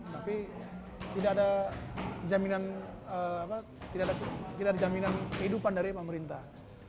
tapi tidak ada jaminan kehidupan dari pemerintah